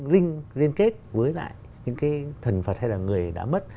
linh kết với lại những cái thần phật hay là người đã mất